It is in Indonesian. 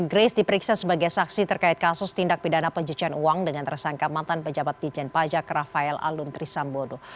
grace diperiksa sebagai saksi terkait kasus tindak pidana penjejahan uang dengan tersangka matan pejabat dijen pajak rafael aluntri sambodo